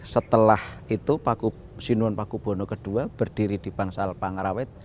setelah itu sinun pakubono ii berdiri di bangsal pangrawet